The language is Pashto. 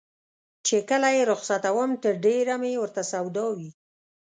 چې کله یې رخصتوم تر ډېره مې ورته سودا وي.